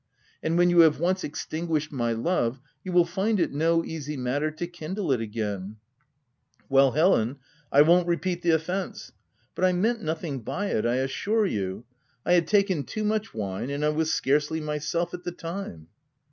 And when you have once extinguished my love, you will find it no easy matter to kindle it again *" Well Helen, I won't repeat the offence. But I meant nothing by it, I assure you. I had taken too much wine, and I was scarcely myself, at the time."